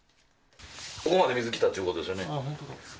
ここまで水、来たってことですよね。